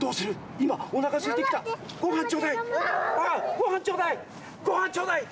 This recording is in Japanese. ごはんちょうだいごはんちょうだい！